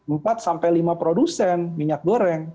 empat sampai lima produsen minyak goreng